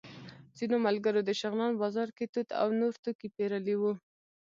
ځینو ملګرو د شغنان بازار کې توت او نور توکي پېرلي وو.